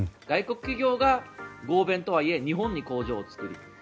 外国企業が合弁とはいえ日本に工場を作る。